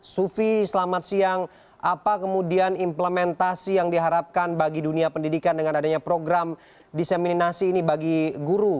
sufi selamat siang apa kemudian implementasi yang diharapkan bagi dunia pendidikan dengan adanya program diseminasi ini bagi guru